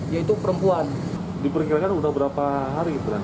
yaitu perempuan diperkirakan udah berapa hari itu diperkirakan baru dua hari kemarin hingga kini